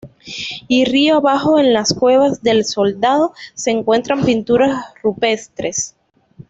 Y río abajo en las cuevas del, soldado se encuentran pinturas rupestres.